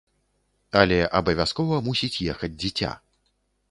Але абавязкова мусіць ехаць дзіця.